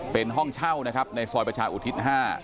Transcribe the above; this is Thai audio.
เป็นห้องเช่านะครับในซอยประชาอุทิศ๕